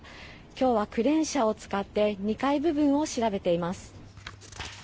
今日はクレーン車を使って２階部分を調べています。